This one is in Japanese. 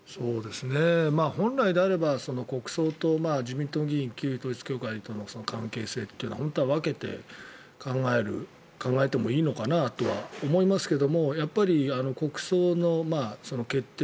本来であれば国葬と自民党の議員旧統一教会との関係性というのは本当は分けて考えてもいいのかなとは思いますがやっぱり国葬の決定